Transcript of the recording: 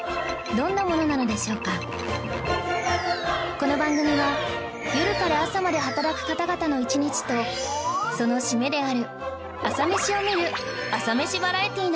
この番組は夜から朝まで働く方々の一日とその締めである朝メシを見る朝メシバラエティーなのです